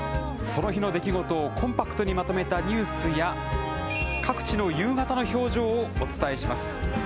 その日の出来事をコンパクトにまとめたニュースや、各地の夕方の表情をお伝えします。